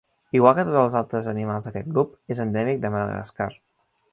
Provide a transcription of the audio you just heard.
Igual que tots els altres animals d'aquest grup, és endèmic de Madagascar.